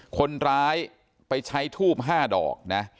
คนร้ายไปใช้ทูบ๕ดอกนะ